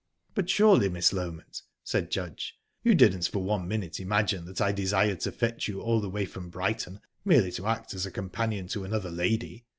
"But surely, Miss Loment," said Judge, "you didn't for one minute imagine that I desired to fetch you all the way from Brighton merely to act as a companion to another lady?